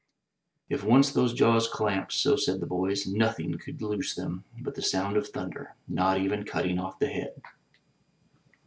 If once those jaws clamped — so said the boys — ^nothing could loose them but the sound of thunder, not even cutting off the head.